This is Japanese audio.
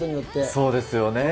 そうですよね。